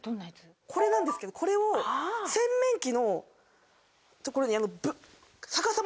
これなんですけどこれを洗面所の所に。